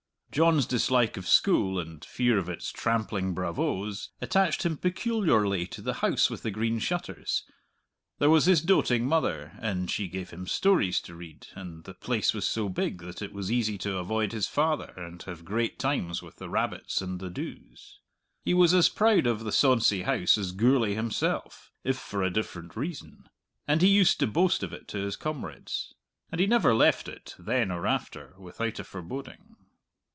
John's dislike of school, and fear of its trampling bravoes, attached him peculiarly to the House with the Green Shutters; there was his doting mother, and she gave him stories to read, and the place was so big that it was easy to avoid his father and have great times with the rabbits and the doos. He was as proud of the sonsy house as Gourlay himself, if for a different reason, and he used to boast of it to his comrades. And he never left it, then or after, without a foreboding.